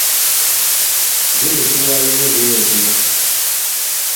Je litowa lig voo eduga.